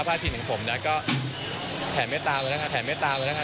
พลาดคิดถึงผมนะก็แผ่นไม่ตามแล้วนะคะแผ่นไม่ตามแล้วนะคะ